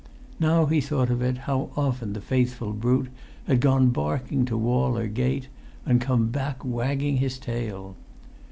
Now he thought of it, how often the faithful brute had gone barking to wall or gate, and come back wagging his tail!